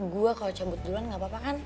gue kalau cabut duluan gak apa apa kan